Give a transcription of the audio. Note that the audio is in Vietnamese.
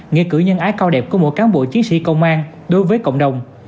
nghe cử nhân ái cao đẹp của một cán bộ chiến sĩ công an đối với cộng đồng